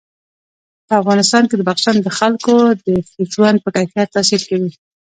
په افغانستان کې بدخشان د خلکو د ژوند په کیفیت تاثیر کوي.